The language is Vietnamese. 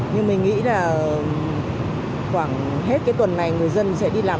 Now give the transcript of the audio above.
nhưng mình nghĩ là khoảng hết cái tuần này người dân sẽ đi làm